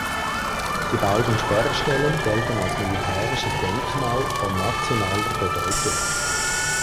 Die beiden Sperrstellen gelten als militärisches Denkmal von nationaler Bedeutung.